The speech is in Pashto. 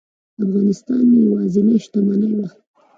افغانستان مې یوازینۍ شتمني وه.